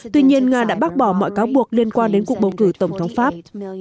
tuy nhiên nga đã bác bỏ mọi cáo buộc liên quan đến cuộc bầu cử tổng thống pháp